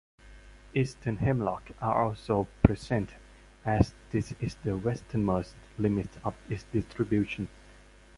Eastern hemlock are also present as this is the westernmost limit of its distribution.